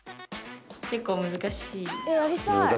結構難しいです。